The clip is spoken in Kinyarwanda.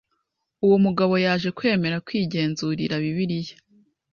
uwo mugabo yaje kwemera kwigenzurira Bibiliya,